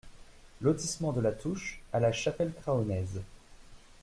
Lotissement de la Touche à La Chapelle-Craonnaise